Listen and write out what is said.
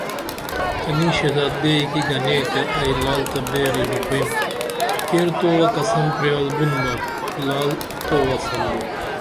تنی شہزادگئی کی گنے تے ائی لعل تہ بیرہ ژوپیم کیر توہ قسم پریال بُن بہ لعل توہ سم بو